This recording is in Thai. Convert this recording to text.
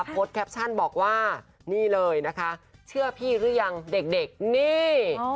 แคปชั่นบอกว่านี่เลยนะคะเชื่อพี่หรือยังเด็กนี่